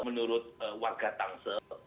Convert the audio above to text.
menurut warga tangsel